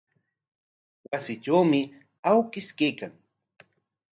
Wasitrawmi awkish kaykan.